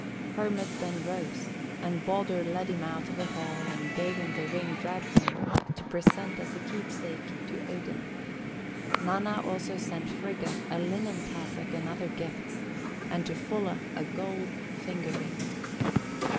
"Hermod then rose, and Baldur led him out of the hall and gave him the ring Draupnir, to present as a keepsake to Odin. Nanna also sent Frigga a linen cassock and other gifts, and to Fulla a gold finger ring.